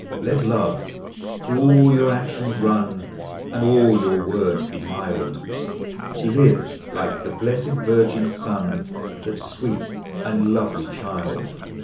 Let love through all your actions run, And all your words be mild; Live like the blessed Virgin's Son, — That sweet and lovely child.